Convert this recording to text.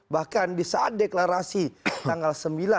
bahkan di saat deklarasi tanggal sembilan